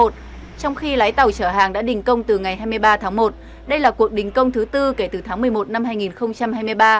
trong khi lái tàu chở hàng đã đình công từ ngày hai mươi ba tháng một đây là cuộc đình công thứ tư kể từ tháng một mươi một năm hai nghìn hai mươi ba